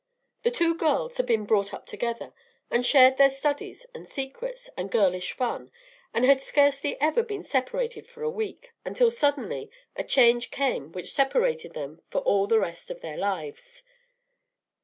The two girls had been brought up together, had shared their studies and secrets and girlish fun, and had scarcely ever been separated for a week, until suddenly a change came which separated them for all the rest of their lives.